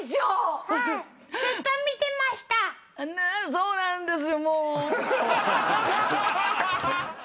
そうなんですよ。